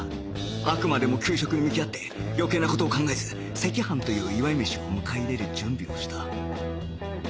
あくまでも給食に向き合って余計な事を考えず赤飯という祝い飯を迎え入れる準備をした